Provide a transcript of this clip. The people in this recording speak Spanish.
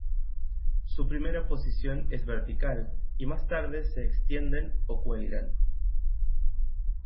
Su primera posición es vertical y más tarde se extienden o cuelgan.